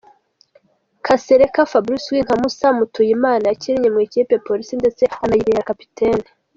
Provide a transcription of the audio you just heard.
Kasereka Fabrice uzwi nka Moussa Mutuyimana yakinnye mu ikipe ya Police ndetse anayibera kapiteni.